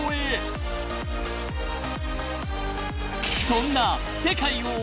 ［そんな］